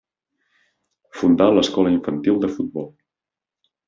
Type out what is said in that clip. Fundà l’escola infantil de futbol.